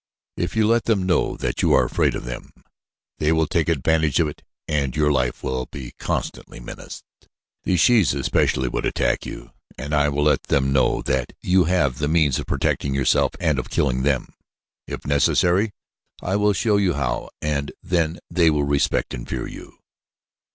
If you let them know that you are afraid of them, they will take advantage of it and your life will be constantly menaced. The shes especially would attack you. I will let them know that you have the means of protecting yourself and of killing them. If necessary, I will show you how and then they will respect and fear you."